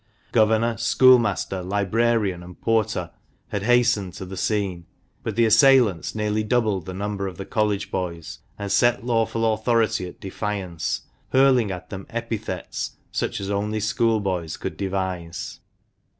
Governor, schoolmaster, librarian, and porter had hastened to the scene; but the assailants nearly doubled the number of the College boys, and set lawful authority at defiance, hurling at them epithets such as only schoolboys could devise.